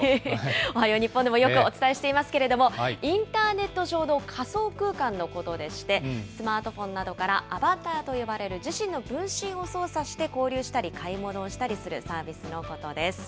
おはよう日本でもよくお伝えしていますけれども、インターネット上の仮想空間のことでして、スマートフォンなどから、アバターと呼ばれる自身の分身を操作して、交流したり、買い物をしたりするサービスのことです。